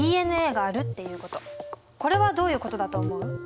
これはどういうことだと思う？